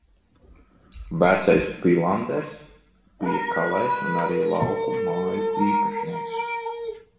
Vecais Pilanders bija kalējs un arī lauku māju īpašnieks.